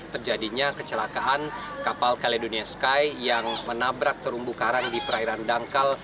terjadinya kecelakaan kapal caledonia sky yang menabrak terumbu karang di perairan dangkal